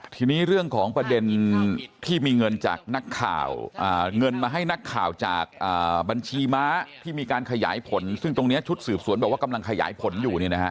ทีนี้เรื่องของประเด็นที่มีเงินจากนักข่าวเงินมาให้นักข่าวจากบัญชีม้าที่มีการขยายผลซึ่งตรงนี้ชุดสืบสวนบอกว่ากำลังขยายผลอยู่